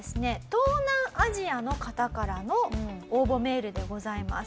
東南アジアの方からの応募メールでございます。